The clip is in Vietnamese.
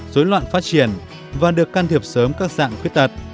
dối loạn phát triển và được can thiệp sớm các dạng khuyết tật